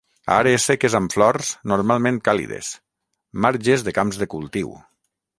Àrees seques amb flors, normalment càlides; marges de camps de cultiu.